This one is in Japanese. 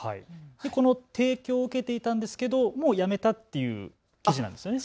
この提供を受けていたんですけれど、もうやめたという記事なんですよね。